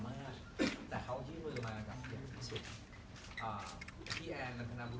พี่ปุ๊กพี่ก้อยชะวัญญาทุกคนมาหมดเลยโดยที่เราไม่ต้องขอความสุข